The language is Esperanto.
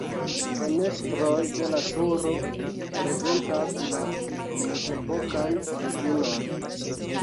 Fenestroj de la turo prezentas la mezepokan originon.